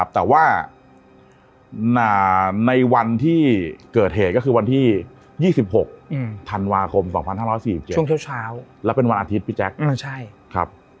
แต่ว่าในวันที่เกิดเหตุก็คือวันที่๒๖ธันวาคม๒๕๔๗ช่วงเช้าแล้วเป็นวันอาทิตย์พี่แจ๊ค